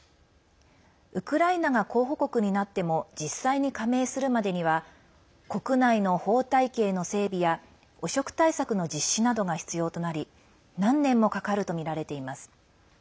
ウクライナが候補国になっても実際に加盟するまでには国内の法体系の整備や汚職対策の実施などが必要となり何年もかかるとみられています。